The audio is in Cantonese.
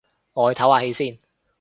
我去唞下氣先